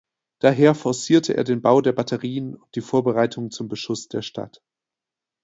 Daher forcierte er den Bau der Batterien und die Vorbereitungen zum Beschuss der Stadt.